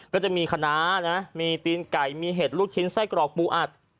ก็จะมีคณะนะมีตีนไก่มีเห็ดลูกชิ้นไส้กรอกปูอัด